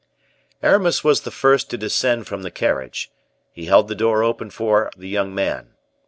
Aramis was the first to descend from the carriage; he held the door open for the young man.